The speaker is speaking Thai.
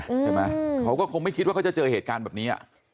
ใช่ไหมเขาก็คงไม่คิดว่าเขาจะเจอเหตุการณ์แบบนี้อ่ะ